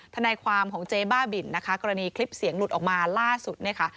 ทนายความของเจ๊บ้าบินนะคะกรณีคลิปเสียงหลุดออกมาล่าสุดเนี่ยค่ะ